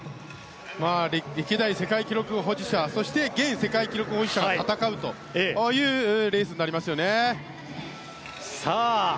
いきなり世界記録保持者そして現世界記録保持者が戦うというレースになりますよね。